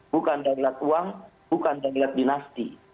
bukan daulat uang bukan daulat dinasti